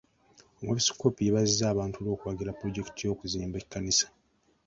Omwepiskoopi yeebazizza abantu olw'okuwagira pulojekiti y'okuzimba ekkanisa.